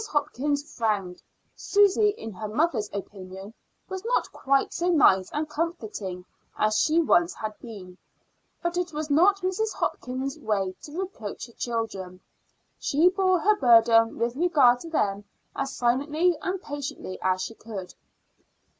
Hopkins frowned. Susy, in her mother's opinion, was not quite so nice and comforting as she once had been. But it was not Mrs. Hopkins's way to reproach her children; she bore her burden with regard to them as silently and patiently as she could.